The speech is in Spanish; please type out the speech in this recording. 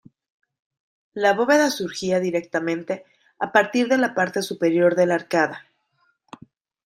La bóveda surgía directamente a partir de la parte superior de la arcada.